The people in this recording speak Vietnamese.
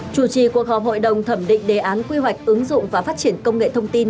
chủ trì cuộc họp hội đồng thẩm định đề án quy hoạch ứng dụng và phát triển công nghệ thông tin